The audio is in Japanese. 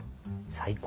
最高。